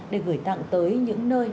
để gửi tặng tới những nơi